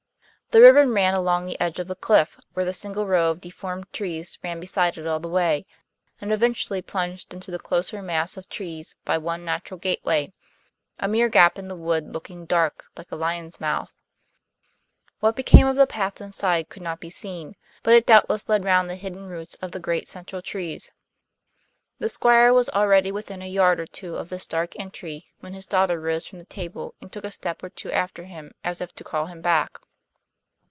The ribbon ran along the edge of the cliff, where the single row of deformed trees ran beside it all the way, and eventually plunged into the closer mass of trees by one natural gateway, a mere gap in the wood, looking dark, like a lion's mouth. What became of the path inside could not be seen, but it doubtless led round the hidden roots of the great central trees. The Squire was already within a yard or two of this dark entry when his daughter rose from the table and took a step or two after him as if to call him back.